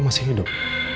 lo masih hidup